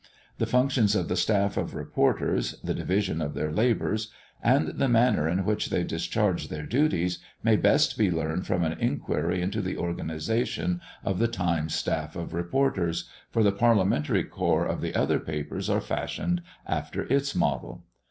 The functions of the staff of reporters, the division of their labours, and the manner in which they discharge their duties, may best be learned from an inquiry into the organisation of the Times staff of reporters; for the Parliamentary corps of the other papers are fashioned after its model.